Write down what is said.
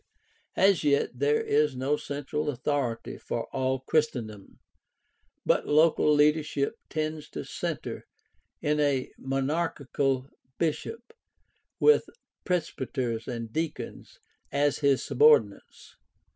As yet there is no central authority for all Christendom, but local leadership tends to center in a monarchical bishop with presbyters and deacons as his subordinates.